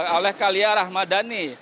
oleh kalia rahmadani